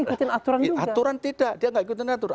ikutin aturan juga aturan tidak dia gak ikutin aturan